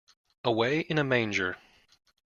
Away in a Manger.